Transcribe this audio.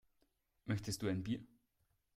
Möchtest du ein Bier?